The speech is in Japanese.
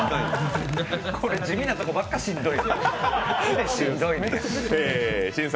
これ、地味なとこばっかしんどい。